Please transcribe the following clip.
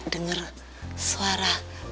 etinggar email kalau malem